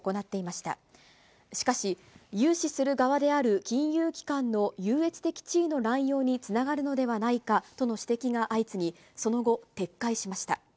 しかし、融資する側である金融機関の優越的地位の乱用につながるのではないかとの指摘が相次ぎ、その後、撤回しました。